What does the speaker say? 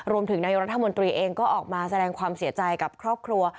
นายกรัฐมนตรีเองก็ออกมาแสดงความเสียใจกับครอบครัว